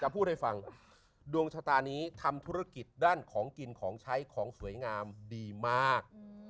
พูดให้ฟังดวงชะตานี้ทำธุรกิจด้านของกินของใช้ของสวยงามดีมาก